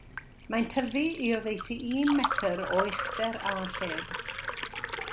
Mae'n tyfu i oddeutu un metr o uchder a lled.